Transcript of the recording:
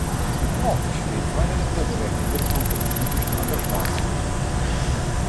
Oft stehen Freiheit und Bürgerrechte im Mittelpunkt seines politischen Engagements.